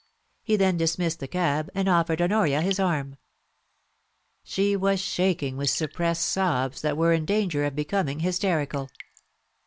He then dismissed the cab and offered Honoria his arm. She was shaking with suppressed sobs that were in danger of becoming hysterical.